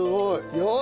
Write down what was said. よし！